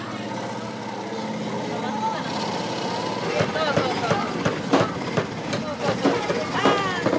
そうそうそう。